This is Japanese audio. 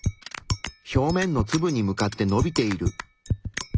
表面のツブに向かってのびている。